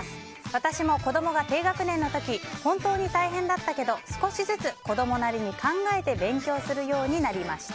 私も子供が低学年の時本当に大変だったけど少しずつ子供なりに考えて勉強するようになりました。